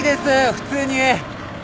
普通に！